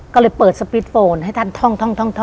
ก็เลยเปิดสปีดโฟนให้ท่านท่อง